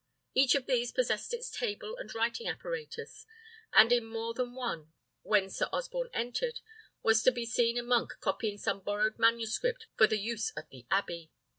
Each of these possessed its table and writing apparatus; and in more than one, when Sir Osborne entered, was to be seen a monk copying some borrowed manuscript for the use of the abbey.